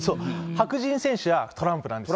白人選手はトランプなんですよ。